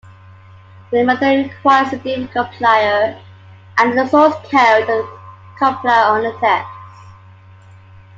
The method requires a different compiler and the source code of the compiler-under-test.